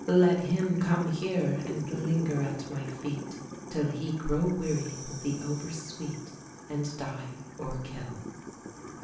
Let him come here and linger at my feet Till he grow weary with the over sweet, And die, or kill.